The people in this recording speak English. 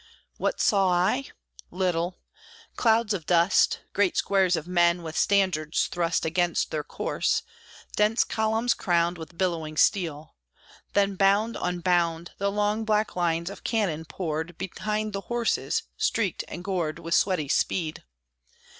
"What saw I?" Little. Clouds of dust; Great squares of men, with standards thrust Against their course; dense columns crowned With billowing steel. Then bound on bound, The long black lines of cannon poured Behind the horses, streaked and gored With sweaty speed.